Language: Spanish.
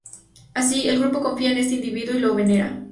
Así, el grupo confía en este individuo y lo venera.